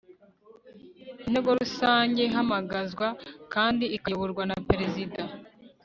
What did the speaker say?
intego rusange ihamagazwa kandi ikayoborwa na perezida